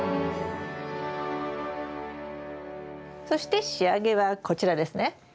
そして仕上げはこちらですね。